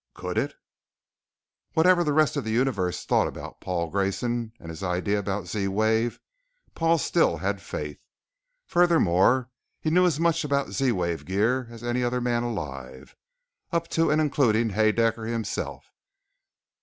Could it ? Whatever the rest of the universe thought about Paul Grayson and his idea about the Z wave, Paul still had faith. Furthermore he knew as much about Z wave gear as any other man alive, up to and including Haedaecker himself.